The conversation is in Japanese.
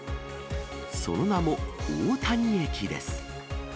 その名も大谷駅です。